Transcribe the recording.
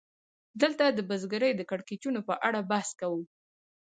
دلته د بزګرۍ د کړکېچونو په اړه بحث کوو